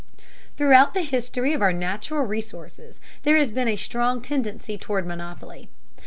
Throughout the history of our natural resources there has been a strong tendency toward monopoly.